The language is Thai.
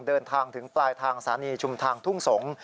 เดินทางถึงปลายทางสถานีชุมทางทุ่งสงศ์